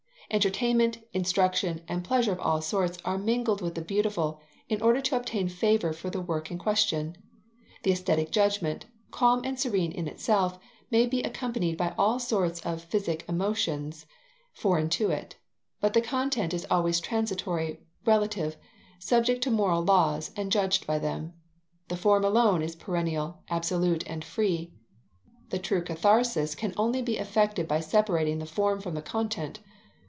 Entertainment, instruction, and pleasure of all sorts are mingled with the beautiful, in order to obtain favour for the work in question. The aesthetic judgment, calm and serene in itself, may be accompanied by all sorts of psychic emotions, foreign to it. But the content is always transitory, relative, subject to moral laws, and judged by them. The form alone is perennial, absolute, and free. The true catharsis can only be effected by separating the form from the content.